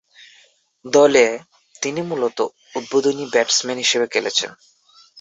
দলে তিনি মূলতঃ উদ্বোধনী ব্যাটসম্যান হিসেবে খেলছেন।